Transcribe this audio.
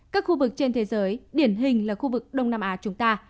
các khu vực trên thế giới điển hình là khu vực đông nam á chúng ta